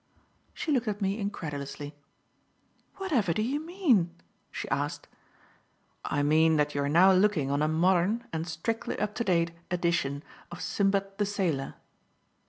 She looked at me incredulously. "Whatever do you mean?" she asked. "I mean that you are now looking on a modern and strictly up to date edition of Sinbad the Sailor."